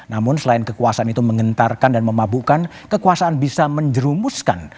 namun selain kekuasaan itu mengentarkan dan memabukkan kekuasaan bisa menjerumuskan